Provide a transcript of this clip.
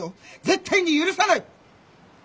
絶対に許さない！